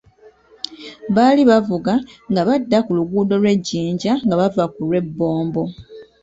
Baali bavuga nga badda ku luguudo lw'e Jjinja nga bava ku lw'e Bombo.